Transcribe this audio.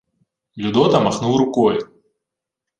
Людота махнув рукою.